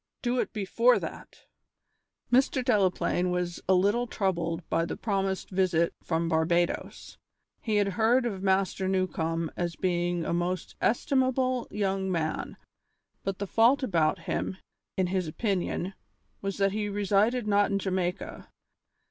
"Do it before that!" Mr. Delaplaine was a little troubled by the promised visit from Barbadoes. He had heard of Master Newcombe as being a most estimable young man, but the fault about him, in his opinion, was that he resided not in Jamaica.